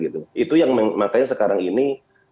itu yang makanya sekarang ini